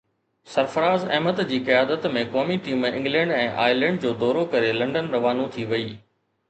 سرفراز احمد جي قيادت ۾ قومي ٽيم انگلينڊ ۽ آئرلينڊ جو دورو ڪري لنڊن روانو ٿي وئي